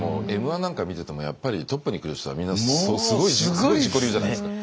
「Ｍ‐１」なんか見ててもやっぱりトップに来る人はみんなすごい自己流じゃないですか。